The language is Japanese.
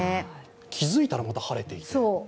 気付いたらまた晴れていて。